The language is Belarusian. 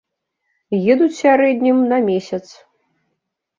Едуць у сярэднім на месяц.